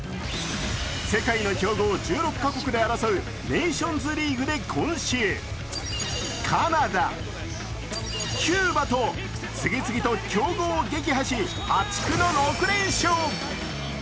世界の強豪１６か国で争うネーションズリーグで今週カナダ、キューバと次々と強豪を撃破し、破竹の６連勝。